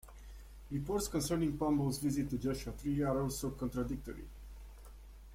Reports concerning Pombo's visit to Joshua Tree are also contradictory.